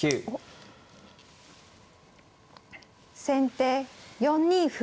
先手４二歩。